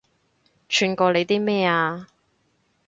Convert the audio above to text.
串過你啲咩啊